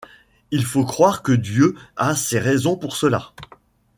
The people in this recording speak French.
Il faut croire que Dieu a ses raisons pour cela.